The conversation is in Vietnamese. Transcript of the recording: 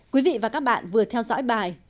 quý vị và các bạn vừa theo dõi bài